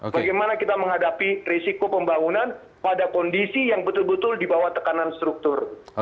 bagaimana kita menghadapi risiko pembangunan pada kondisi yang betul betul di bawah tekanan struktur